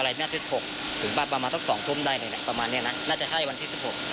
เริ่มบ่นที่ทางพาชาติ